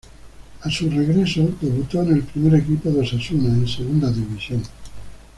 A su regreso, debutó en el primer equipo de Osasuna en Segunda División.